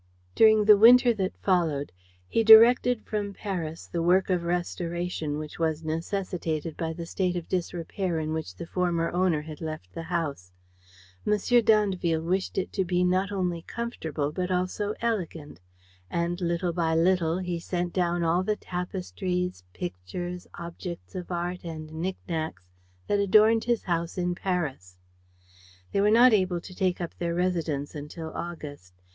During the winter that followed, he directed from Paris the work of restoration which was necessitated by the state of disrepair in which the former owner had left the house. M. d'Andeville wished it to be not only comfortable but also elegant; and, little by little, he sent down all the tapestries, pictures, objects of art and knicknacks that adorned his house in Paris. They were not able to take up their residence until August.